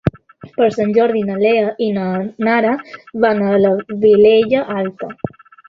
Per Sant Jordi na Lea i na Nara van a la Vilella Alta.